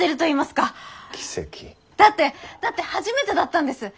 だってだって初めてだったんです。